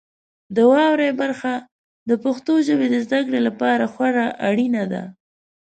د واورئ برخه د پښتو ژبې د زده کړې لپاره خورا اړینه ده.